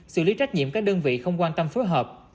xử lý trách nhiệm các đơn vị không quan tâm phối hợp